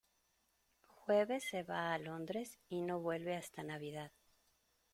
Jueves se va a Londres y no vuelve hasta Navidad.